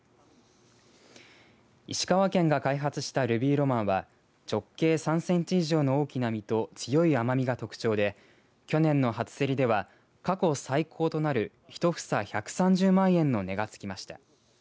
石川県が開発したルビーロマンは直径３センチ以上の大きな実と強い甘みが特徴で去年の初競りでは過去最高となる１房１３０万円の値がつきました。